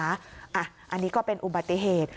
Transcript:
อันนี้ก็เป็นอุบัติเหตุ